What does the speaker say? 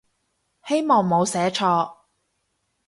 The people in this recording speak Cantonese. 希望冇寫錯